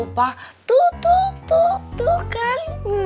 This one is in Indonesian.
papa tuh tuh tuh tuh kan